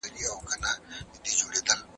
هیڅ یوه نن ورځ د ځمکې شاوخوا نه ګرځي.